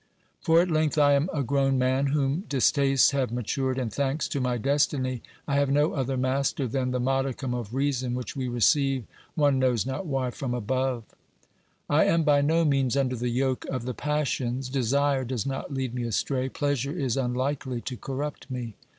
For at length I am a grown man, whom distastes have matured, and thanks to my destiny I have no other master OBERMANN 133 than the modicum of reason which we receive, one knows not why, from above. I am by no means under the yoke of the passions ; desire does not lead me astray, pleasure is unlikely to corrupt me.